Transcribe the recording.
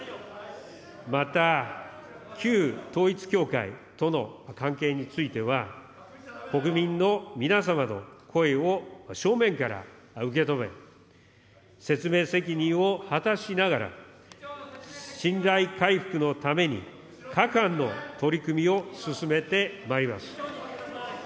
また、旧統一教会との関係については、国民の皆様の声を正面から受け止め、説明責任を果たしながら、信頼回復のために、各般の取り組みを進めてまいります。